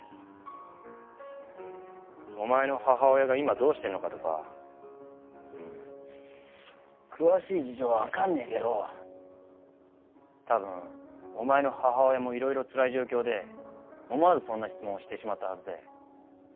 お前の母親が今どうしてるのかとかうーん詳しい事情はわかんねえけど多分お前の母親もいろいろつらい状況で思わずそんな質問をしてしまったはずで。